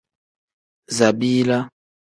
Zabiila.